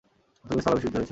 তুমি স্থলাভিষিক্ত হয়েছো।